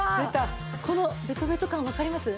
このベトベト感わかります？